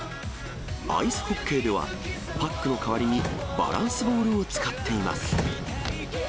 アイスホッケーでは、パックの代わりにバランスボールを使っています。